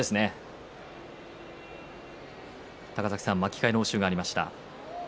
巻き替えの応酬がありました。